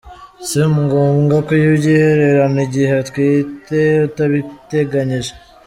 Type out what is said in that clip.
Si ngombwa kubyihererana igihe utwite utabiteganyije.